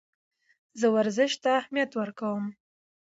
زه ورزش ته اهمیت ورکوم.